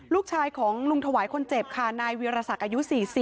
ลูกชายของลุงถวายคนเจ็บค่ะนายเวียรศักดิ์อายุ๔๐